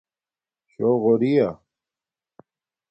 شوغوری یہ